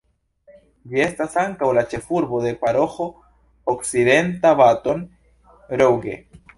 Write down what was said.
Ĝi estas ankaŭ la ĉefurbo de Paroĥo Okcidenta Baton Rouge.